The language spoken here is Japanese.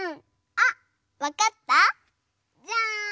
あっわかった？じゃん！